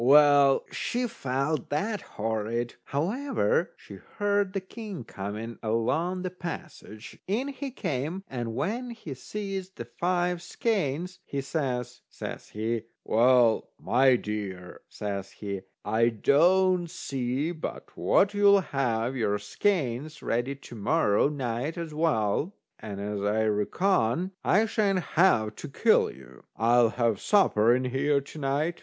Well, she felt that horrid. However, she heard the king coming along the passage. In he came, and when he sees the five skeins, he says, says he: "Well, my dear," says he, "I don't see but what you'll have your skeins ready to morrow night as well, and as I reckon I sha'n't have to kill you, I'll have supper in here to night."